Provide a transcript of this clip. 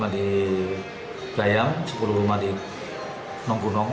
dua puluh lima di gayam sepuluh rumah di nonggunong